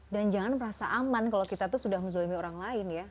dan jangan merasa aman kalau kita sudah menzolimi orang lain ya